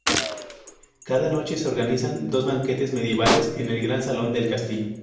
Cada noche se organizan dos banquetes medievales en el gran salón del castillo.